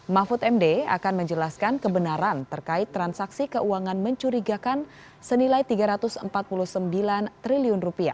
mahfud md akan menjelaskan kebenaran terkait transaksi keuangan mencurigakan senilai rp tiga ratus empat puluh sembilan triliun